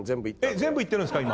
全部いってるんですか